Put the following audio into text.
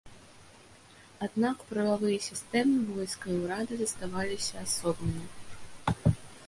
Аднак прававыя сістэмы, войска і ўрады заставаліся асобнымі.